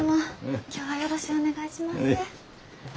今日はよろしゅうお願いします。